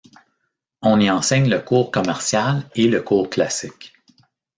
On y enseigne le cours commercial et le cours classique.